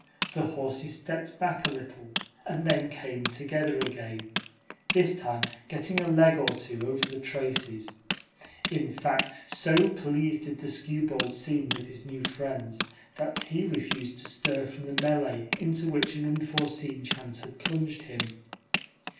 The horses stepped back a little, and then came together again this time getting a leg or two over the traces. In fact, so pleased did the skewbald seem with his new friends that he refused to stir from the melee into which an unforeseen chance had plunged him.